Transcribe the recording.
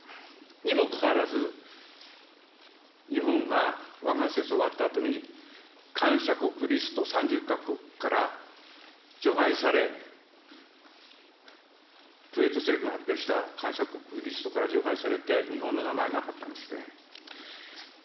にもかかわらず、日本が湾岸戦争終わったあとに、感謝国リスト３０か国から除外され、クウェート政府が発表した感謝国リストから除外されて、日本の名前なかったですね。